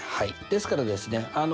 ですからですね